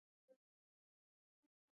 په افغانستان کې د یاقوت منابع شته.